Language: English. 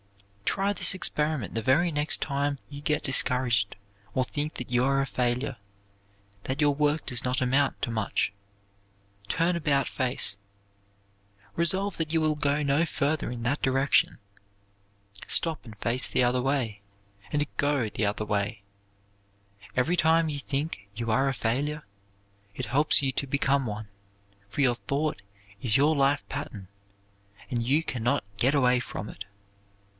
Try this experiment the very next time you get discouraged or think that you are a failure, that your work does not amount to much turn about face. Resolve that you will go no further in that direction. Stop and face the other way, and go the other way. Every time you think you are a failure, it helps you to become one, for your thought is your life pattern and you can not get away from it.